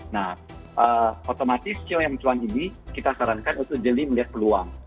nah otomatis show yang cuan ini kita sarankan untuk jeli melihat peluang